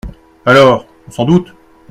Alors, on s’en doute !